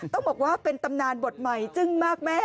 ต้องบอกว่าเป็นตำนานบทใหม่จึ้งมากแม่